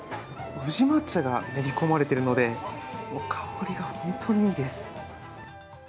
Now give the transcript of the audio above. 宇治抹茶が練り込まれているので香りが本当にいいです。